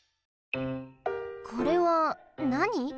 これはなに？